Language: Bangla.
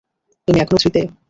তুমি এখনও থ্রি তে?